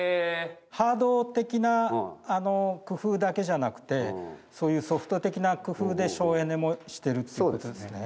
ハード的な工夫だけじゃなくてそういうソフト的な工夫で省エネもしてるっていうことですね。